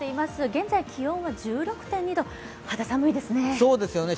現在気温は１６．２度、肌寒いですね。